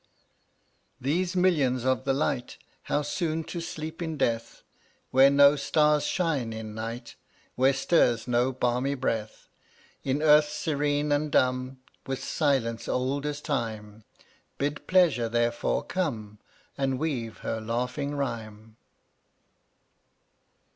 no These millions of the light! How soon to sleep in death, Where no stars shine, in night Where stirs no balmy breath, In earth serene and dumb, With silence old as time. Bid Pleasure, therefore, come And weave her laughing rhyme.